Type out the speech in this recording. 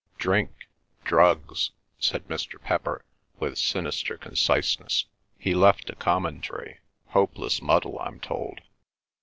"Drink—drugs," said Mr. Pepper with sinister conciseness. "He left a commentary. Hopeless muddle, I'm told."